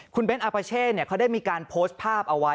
คุณเบ้นอาปาเช่เขาได้มีการโพสต์ภาพเอาไว้